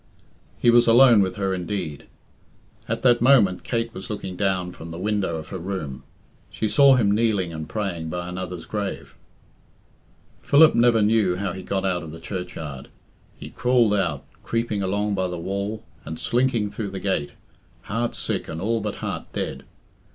He was alone with her indeed. At that moment Kate was looking down from the window of her room. She saw him kneeling and praying by another's grave. Philip never knew how he got out of the churchyard. He crawled out creeping along by the wall, and slinking through the gate heart sick and all but heart dead.